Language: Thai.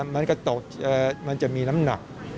มันก็ตกมันจะมีน้ำหนัก